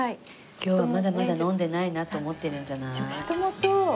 今日はまだまだ飲んでないなと思ってるんじゃない？